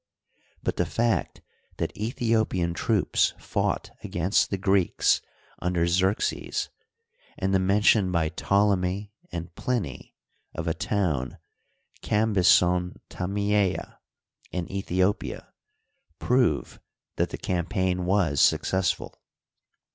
But the fact that Aethiopian troops fought against the Greeks under Xerxes, and the mention by Ptolemy and Pliny of a town, Cambyson Tamteta, in Aethiopia, prove that the campai^ was successful.